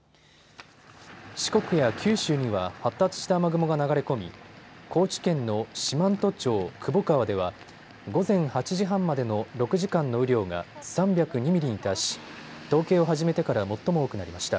四国や九州には発達した雨雲が流れ込み高知県の四万十町窪川では午前８時半までの６時間の雨量が３０２ミリに達し、統計を始めてから最も多くなりました。